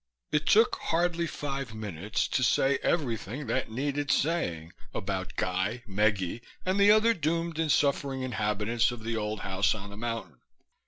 It took hardly five minutes to say everything that needed saying about Guy, Meggie and the other doomed and suffering inhabitants of the old house on the mountain.